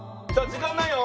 時間ないよ